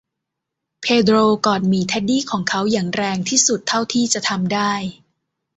เพโดรกอดหมีเท็ดดี้ของเขาอย่างแรงที่สุดเท่าที่จะทำได้